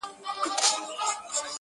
څلوېښتم کال دی.